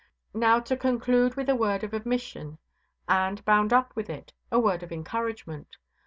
Now, to conclude with a word of admission, and, bound up with it, a word of encouragement.